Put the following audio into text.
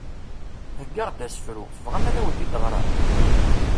Heggaɣ-d asefru, tebɣam ad awen-t-id-ɣreɣ?